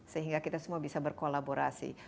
sehingga kita semua bisa berkolaborasi